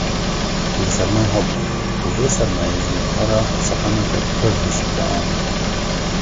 Lê serma hebû û vê sermayê jî bi xwe re seqemeke pir hişk dianî.